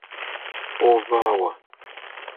Ova wa?